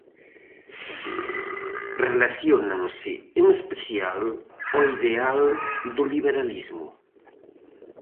Relaciónanse en especial ao ideal do liberalismo.